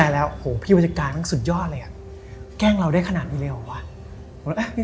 แล้วก็ผมยาวสลวย